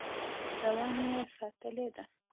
رواني یې ساتلې ده.